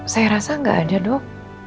saya rasa nggak ada dok